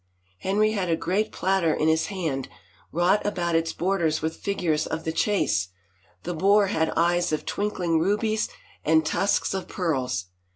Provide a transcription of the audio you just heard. Henry had a great platter in his hand, wrought about its borders with figures of the chase; the boar had eyes of twinkling rubies and tusks of pearls.